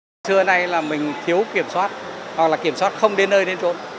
trước xưa này là mình thiếu kiểm soát hoặc là kiểm soát không đến nơi đến chỗ